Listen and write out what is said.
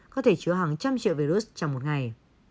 có thể chứa hàng trăm triệu virus trong một ngày